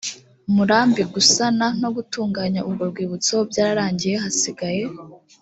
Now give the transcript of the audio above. murambi gusana no gutunganya urwo rwibutso byararangiye hasigaye